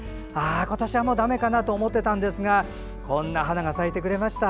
今年はもうだめかなと思っていたんですがこんな花が咲いてくれました。